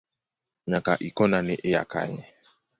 Nyakaikona ni hiya kanye.